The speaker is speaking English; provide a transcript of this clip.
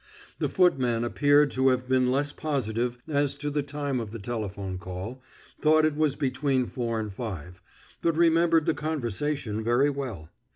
The footman appeared to have been less positive as to the time of the telephone call, thought it was between four and five, but remembered the conversation very well.